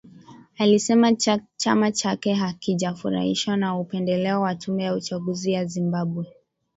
Alisema chama chake hakijafurahishwa na upendeleo wa tume ya uchaguzi ya Zimbabwe